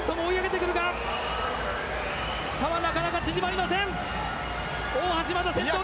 差はなかなか縮まりません。